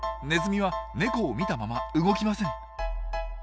ネズミはネコを見たまま動きません。